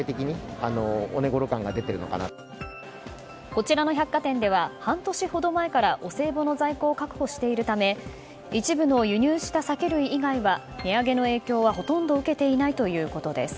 こちらの百貨店では半年ほど前からお歳暮の在庫を確保しているため一部の輸入した酒類以外は値上げの影響はほとんど受けていないということです。